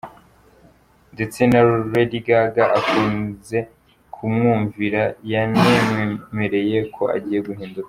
Ndetse na Lagy Gaga akunze kumwumvira, yanamwemereye ko agiye guhinduka.